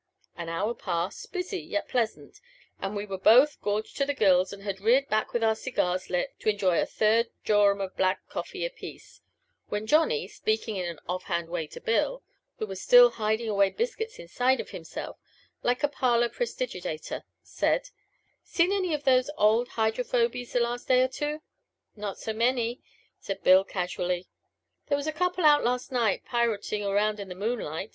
An hour passed busy, yet pleasant and we were both gorged to the gills and had reared back with our cigars lit to enjoy a third jorum of black coffee apiece, when Johnny, speaking in an offhand way to Bill, who was still hiding away biscuits inside of himself like a parlor prestidigitator, said: "Seen any of them old Hydrophobies the last day or two?" "Not so many," said Bill casually. "There was a couple out last night pirootin' round in the moonlight.